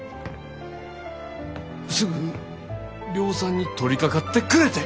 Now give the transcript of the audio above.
すぐ量産に取りかかってくれて！